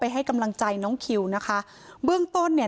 ให้กำลังใจน้องคิวนะคะเบื้องต้นเนี่ย